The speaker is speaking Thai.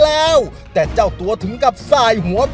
แล้ววันนี้ผมมีสิ่งหนึ่งนะครับเป็นตัวแทนกำลังใจจากผมเล็กน้อยครับ